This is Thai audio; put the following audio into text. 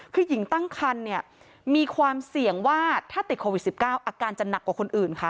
คือหญิงตั้งคันเนี่ยมีความเสี่ยงว่าถ้าติดโควิด๑๙อาการจะหนักกว่าคนอื่นค่ะ